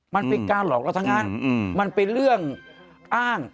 มันเป็นการหลอกเราทั้งนั้นมันเป็นเรื่องอ้าง